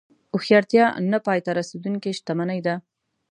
هوښیارتیا نه پای ته رسېدونکې شتمني ده.